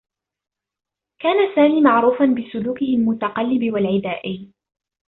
كان سامي معروفا بسلوكه المتقلّب و العدائي.